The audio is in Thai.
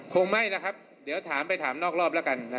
คงไม่นะครับเดี๋ยวถามไปถามนอกรอบแล้วกัน